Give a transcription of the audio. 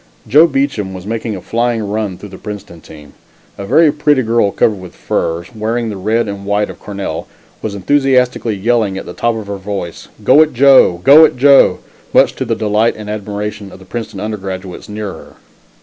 Joe Beacham was making a flying run through the Princeton team. A very pretty girl covered with furs, wearing the red and white of Cornell, was enthusiastically yelling at the top of her voice "Go it, Joe! go it, Joe!" much to the delight and admiration of the Princeton undergraduates near her.